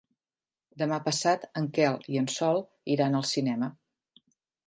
Demà passat en Quel i en Sol iran al cinema.